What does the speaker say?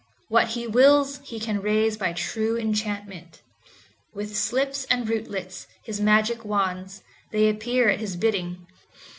What he wills he can raise by true enchantment. With slips and rootlets, his magic wands, they appear at his bidding.